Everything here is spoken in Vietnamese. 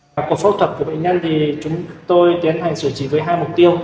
và cuộc phẫu thuật của bệnh nhân thì chúng tôi tiến hành sử dụng chỉ với hai mục tiêu